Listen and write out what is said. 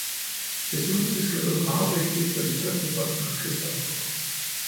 Desuden er fiskeriet meget vigtigt for de tyndtbefolkede kystområder.